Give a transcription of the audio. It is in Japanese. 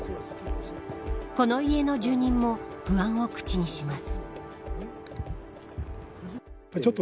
この家の住人も不安を口にします。